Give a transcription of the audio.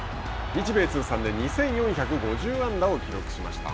日米通算で２４５０安打を記録しました。